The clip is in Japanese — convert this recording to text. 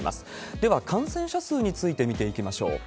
では、感染者数について見ていきましょう。